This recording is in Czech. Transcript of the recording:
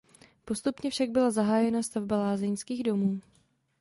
Postupně však byla zahájena stavba lázeňských domů.